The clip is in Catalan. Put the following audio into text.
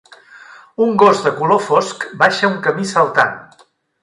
Un gos de color fosc baixa un camí saltant